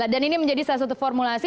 dan ini menjadi salah satu formulasi